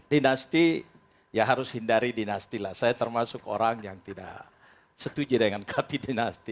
dinasti ya harus hindari dinasti lah saya termasuk orang yang tidak setuju dengan kati dinasti